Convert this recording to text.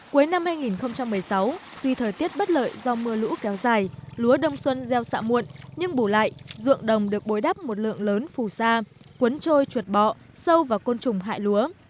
cuối năm hai nghìn một mươi sáu tuy thời tiết bất lợi do mưa lũ kéo dài lúa đông xuân gieo xạ muộn nhưng bù lại ruộng đồng được bối đắp một lượng lớn phù sa cuốn trôi chuột bọ sâu vào côn trùng hại lúa